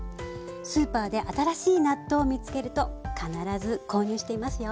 スーパーで新しい納豆を見つけると必ず購入していますよ。